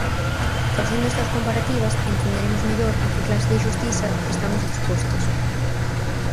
Facendo estas comparativas entenderemos mellor a que clase de xustiza estamos expostos.